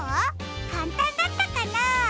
かんたんだったかな？